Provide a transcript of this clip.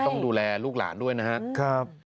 ต้องดูแลลูกหลานด้วยนะครับ